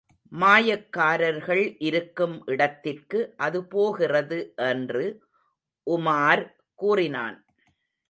மாயக்காரர்கள் இருக்கும் இடத்திற்கு அது போகிறது என்று உமார் கூறினான்.